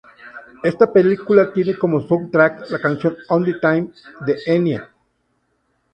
Esta película tiene como soundtrack la canción "Only Time", de Enya.